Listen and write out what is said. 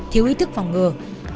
thiếu ý thức phòng ngừa